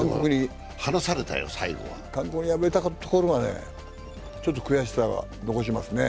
韓国に敗れたところはちょっと悔しさを残しますね。